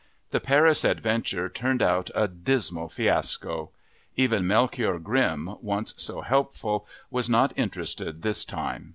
The Paris adventure turned out a dismal fiasco. Even Melchior Grimm, once so helpful, was not interested this time.